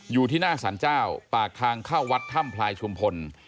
อยู่ที่หน้าสรรเจ้าปากทางเข้าวัดถ้ำพลายชุมพล